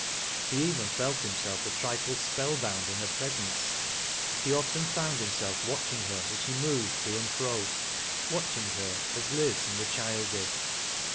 He even felt himself a trifle spell bound in her presence. He often fcunid himself watching her as she moved to and fro, — watching her as Liz and the child did.